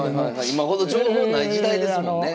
今ほど情報ない時代ですもんね。